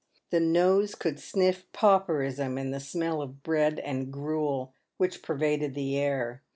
The nose could sniff pauperism in the smell of bread and gruel which pervaded the air.